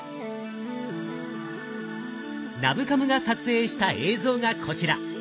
ナブカムが撮影した映像がこちら。